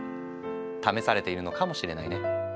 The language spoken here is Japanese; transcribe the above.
試されているのかもしれないね。